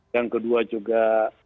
yang kedua juga